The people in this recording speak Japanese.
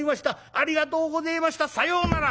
ありがとうごぜえました。さようなら」。